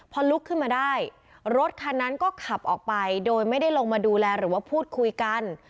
พอลุกขึ้นมาได้รถคันนั้นก็ขับออกไปโดยไม่ได้ลงมาดูแลหรือว่าพูดคุยกัน